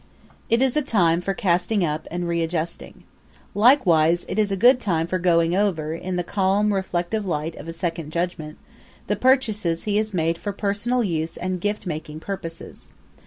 It is a time for casting up and readjusting. Likewise it is a good time for going over, in the calm, reflective light of second judgment, the purchases he has made for personal use and gift making purposes.